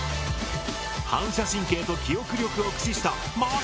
反射神経と記憶力を駆使したまさに神ワザ！